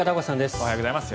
おはようございます。